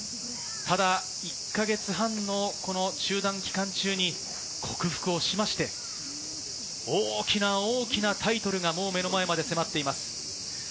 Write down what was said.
ただ１か月半の中断期間中に克服して、大きな大きなタイトルが目の前まで迫っています。